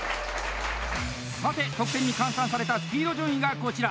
さて、得点に換算されたスピード順位が、こちら！